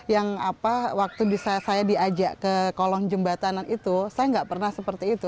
yang apa waktu saya diajak ke kolong jembatanan itu saya nggak pernah seperti itu